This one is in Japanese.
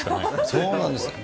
そうなんです。